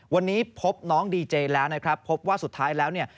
วันนี้พบน้องดีเจแล้วนะครับพบว่าสุดท้ายแล้วเนี่ย